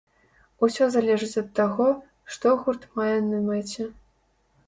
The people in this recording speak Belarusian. Усё залежыць ад таго, што гурт мае на мэце.